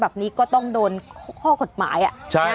แบบนี้ก็ต้องโดนข้อกฎหมาย